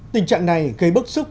tình trạng này gây bức xúc